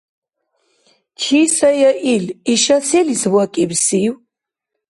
Чи сая ил? Иша селис вакӀибсив?